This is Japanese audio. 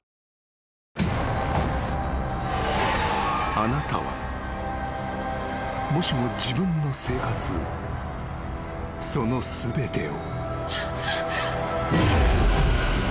［あなたはもしも自分の生活その全てを］